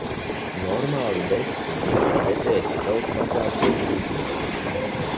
Normāli besī, ka var redzēt kaut mazāko gruzīti.